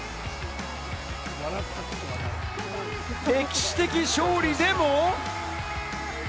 歴史的勝利でも。